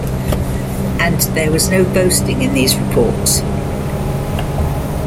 And there was no boasting in these reports.